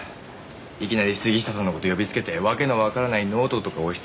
いきなり杉下さんの事呼びつけて訳のわからないノートとか押しつけて。